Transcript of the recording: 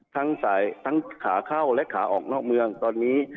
ทั้งสายทั้งขาเข้าและขาออกนอกเมืองตอนนี้